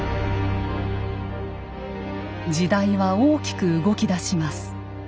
時代は大きく動きだします。